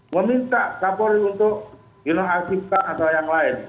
meminta kapolri untuk non aktif pak atau yang lain